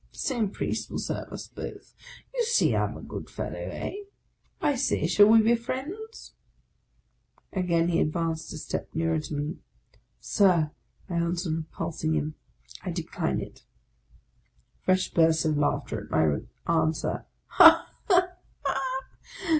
The same Priest will serve us both. You see I'm a good fellow, eh ? I say, shall we be friends ?" Again he advanced a step nearer to me. " Sir," I answered, repulsing him, " I decline it." Fresh bursts of laughter at my answer. " Ha, ha, ha